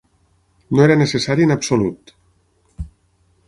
No era necessari en absolut.